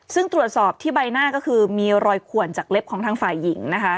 ซึ่งตรวจสอบที่ใบหน้าก็คือมีรอยขวนจากเล็บของทางฝ่ายหญิงนะคะ